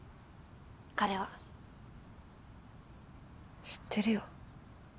彼は知ってるよ